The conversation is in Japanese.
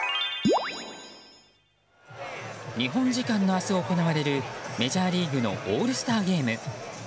日本時間の明日行われるメジャーリーグのオールスターゲーム。